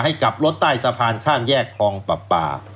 กลับรถใต้สะพานข้ามแยกคลองปรับป่า